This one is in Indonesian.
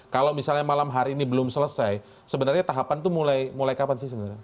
kalau misalnya malam hari ini belum selesai sebenarnya tahapan itu mulai kapan sih sebenarnya